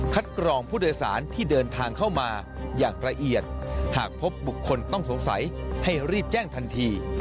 กรองผู้โดยสารที่เดินทางเข้ามาอย่างละเอียดหากพบบุคคลต้องสงสัยให้รีบแจ้งทันที